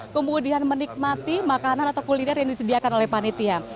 kemudian menikmati makanan atau kuliner yang disediakan oleh panitia